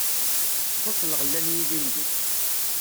Txuṣṣ lɣella n yilindi.